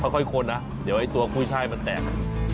ค่อยคนนะเดี๋ยวตัวผู้ชายมันแตก